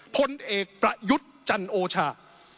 พลเอกประยุทธ์จันโอชา